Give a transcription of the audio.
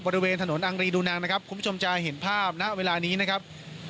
บริเวณถนนอังรีดูนางนะครับคุณผู้ชมจะเห็นภาพณเวลานี้นะครับ